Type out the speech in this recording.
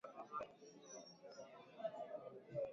dawa hizo zinaongeza nguvu kwenye mfumo wa kinga mwilini